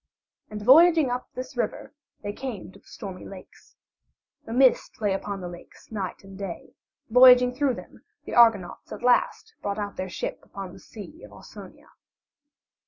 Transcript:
And voyaging up this river they came to the Stormy Lakes. A mist lay upon the lakes night and day; voyaging through them the Argonauts at last brought out their ship upon the Sea of Ausonia.